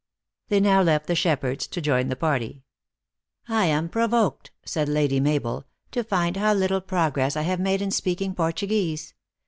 They now left the shepherds to join the party. " I am provoked," said Lady Mabel, " to find how little progress I have made in speaking Portuguese.